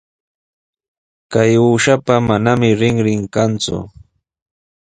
Kay uushapa manami rinrin kanku.